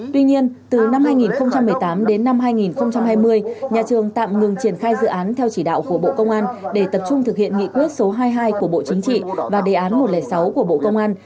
tuy nhiên từ năm hai nghìn một mươi tám đến năm hai nghìn hai mươi nhà trường tạm ngừng triển khai dự án theo chỉ đạo của bộ công an để tập trung thực hiện nghị quyết số hai mươi hai của bộ chính trị và đề án một trăm linh sáu của bộ công an